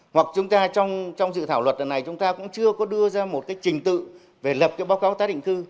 hoặc chúng ta trong dự thảo luật này chúng ta cũng chưa có đưa ra một trình tự về lập báo cáo tái định cư